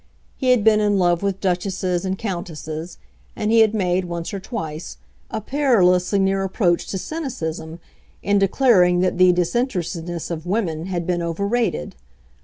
He had been in love with duchesses and countesses, and he had made, once or twice, a perilously near approach to cynicism in declaring that the disinterestedness of women had been overrated.